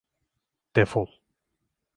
Defol.